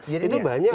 jadi ini banyak